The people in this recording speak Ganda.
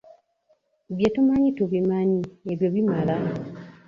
Bye tumanyi tubimanyi, Ebyo bimala.